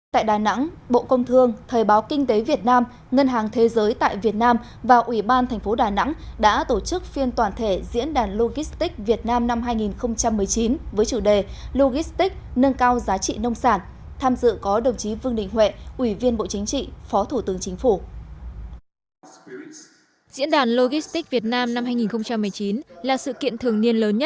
tại đà nẵng bộ công thương thời báo kinh tế việt nam ngân hàng thế giới tại việt nam và ủy ban thành phố đà nẵng đã tổ chức phiên toàn thể diễn đàn logistics việt nam năm hai nghìn một mươi chín với chủ đề logistics nâng cao giá trị nông sản tham dự có đồng chí vương đình huệ ủy viên bộ chính trị phó thủ tướng chính phủ